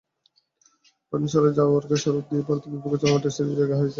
পানশালায় যাওয়ার খেসারত দিয়ে ভারতের বিপক্ষে চলমান টেস্ট সিরিজে জায়গা হারিয়েছেন।